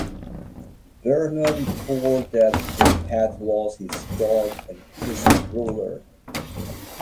Bernard reported that he had lost his "god" and his "ruler".